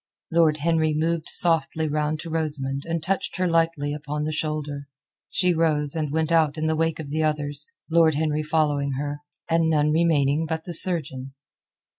Lord Henry moved softly round to Rosamund and touched her lightly upon the shoulder. She rose and went out in the wake of the others, Lord Henry following her, and none remaining but the surgeon.